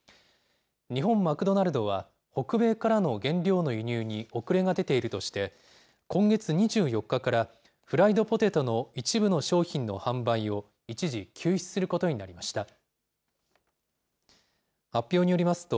日本マクドナルドは、北米からの原料の輸入に遅れが出ているとして、今月２４日からフライドポテトの一部の商品の販売を一時休止することになりました。